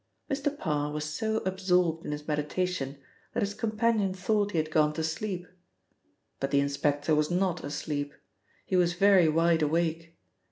Mr. Parr was so absorbed in his meditation that his companion thought he had gone to sleep. But the inspector was not asleep; he was very wide awake.